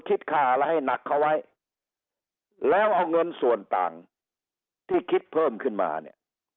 คิดค่าอะไรให้หนักเขาไว้แล้วเอาเงินส่วนต่างที่คิดเพิ่มขึ้นมาเนี่ย